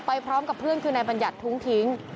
พร้อมกับเพื่อนคือนายบัญญัติทุ้งทิ้ง